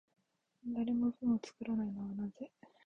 誰も文を作らないのはなぜ？